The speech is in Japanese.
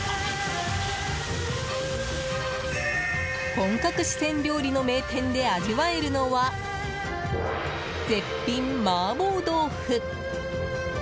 本格四川料理の名店で味わえるのは絶品マーボー豆腐！